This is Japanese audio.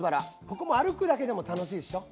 ここも歩くだけでも楽しいでしょ？